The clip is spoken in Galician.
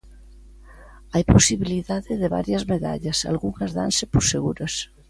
Hai posibilidade de varias medallas, algunhas danse por seguras.